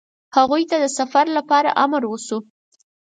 هغوی ته د سفر لپاره امر وشو.